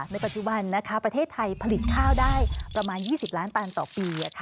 ในปัจจุบันประเทศไทยผลิตข้าวได้ประมาณ๒๐ล้านตันต่อปี